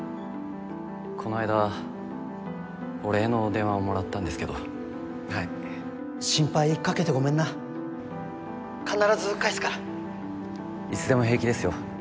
この間お礼の電話をもらったんですけどはい心配かけてごめんないつでも平気ですよ